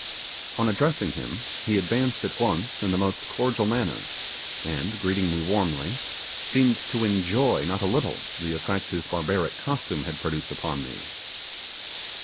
On addressing him, he advanced at once in the most cordial manner, and greeting me warmly, seemed to enjoy not a little the effect his barbaric costume had produced upon me.